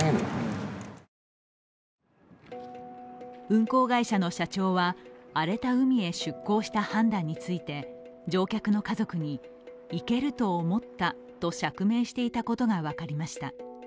運航会社の社長は荒れた海へ出航した判断について乗客の家族に、行けると思ったと釈明していたことが分かりました。